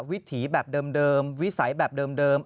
วิถีแบบเดิมวิสัยแบบเดิม